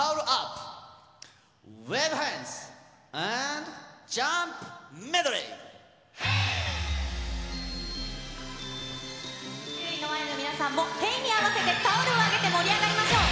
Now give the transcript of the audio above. テレビの前の皆さんも、に合わせてタオルを上げて盛り上がりましょう。